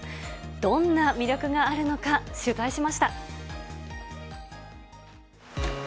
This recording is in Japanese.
どんな魅力があるのか、取材しました。